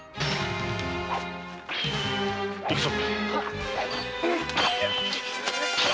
行くぞ！